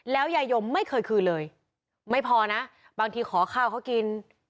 แล้วยายมไม่เคยคืนเลยไม่พอนะบางทีขอข้าวเขากิน